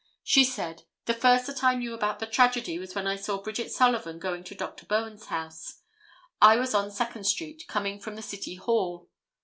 She said: "The first that I knew about the tragedy was when I saw Bridget Sullivan going to Dr. Bowen's house. I was on Second street, coming from the City Hall.